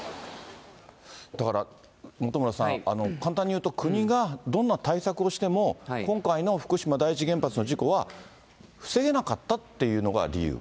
だから、本村さん、簡単に言うと、国がどんな対策をしても、今回の福島第一原発の事故は防げなかったっていうのが理由？